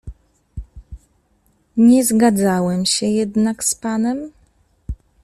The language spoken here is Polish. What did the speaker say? "Nie zgadzałem się jednak z panem."